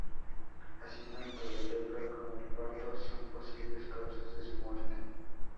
Así, tanto la lepra como el parto son las posibles causas de su muerte.